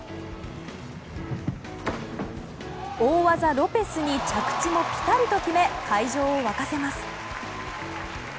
大技ロペスに着地もピタリと決め会場を沸かせます。